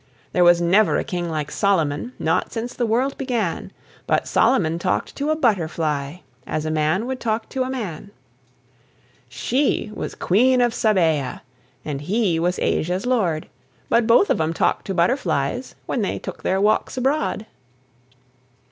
There was never a King like Solomon, Not since the world began; But Solomon talked to a butterfly As a man would talk to a man. She was Queen of Sabaea And he was Asia's Lord But they both of 'em talked to butterflies When they took their walks abroad.